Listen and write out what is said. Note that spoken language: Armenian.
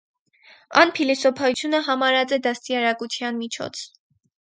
Ան փիլիսոփայութիւնը համարած է դաստիարակութեան միջոց։